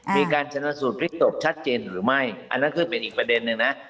มีการชนะสูตรพลิกศพชัดเจนหรือไม่อันนั้นคือเป็นอีกประเด็นนึงนะ